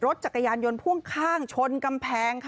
รถจักรยานยนต์พ่วงข้างชนกำแพงค่ะ